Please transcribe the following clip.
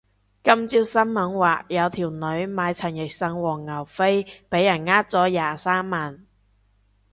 今朝新聞話有條女買陳奕迅黃牛飛俾人呃咗廿三萬